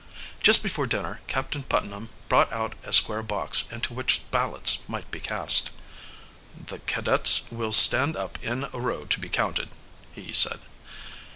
Just before dinner Captain Putnam brought out a square box into which ballots might be cast. "The cadets will stand up in a row to be counted," he said.